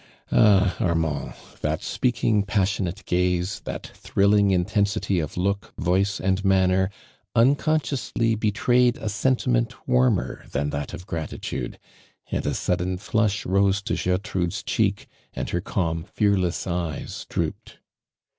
Ah, Armand. that speakiuii passion. Tti gaze, that thrilling intensity of look, voiei and manner, unconsciously betrayed a sentiment warmer than that of gratitude, andasudden flush rose to (lertrude's cheek and her calm fearless eyes diooped.